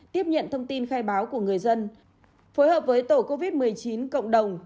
tiếp nhận thông tin khai báo của người dân phối hợp với tổ covid một mươi chín cộng đồng